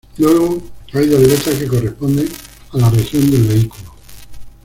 Luego hay dos letras que corresponden a la región del vehículo.